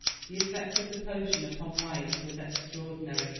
The effect of the potion upon Wyat was extraordinary.